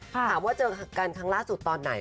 ประเด็นของสตอรี่ก่อนนี้